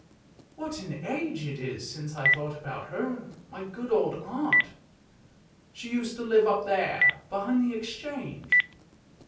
What an age it is since I thought about her, my good old aunt. She used to live there, behind the Exchange.